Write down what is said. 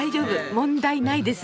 問題ないです。